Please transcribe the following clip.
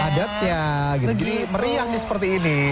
adatnya gitu jadi meriah nih seperti ini